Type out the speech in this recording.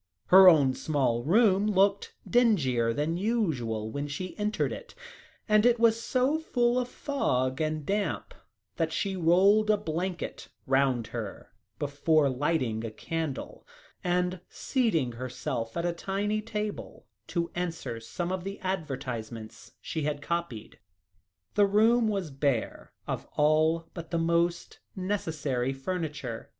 Her own small room looked dingier than usual when she entered it, and it was so full of fog and damp, that she rolled a blanket round her before lighting a candle and seating herself at the tiny table, to answer some of the advertisements she had copied. The room was bare of all but the most necessary furniture.